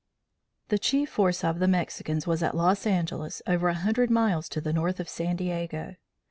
The chief force of the Mexicans was at Los Angeles over a hundred miles to the north of San Diego.